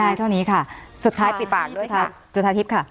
ได้เท่านี้ค่ะสุดท้ายปิดปากจุธาทิพย์ค่ะ